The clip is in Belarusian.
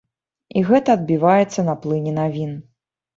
І гэта адбіваецца на плыні навін.